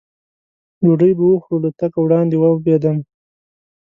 ډوډۍ به وخورو، له تګه وړاندې ومبېدم.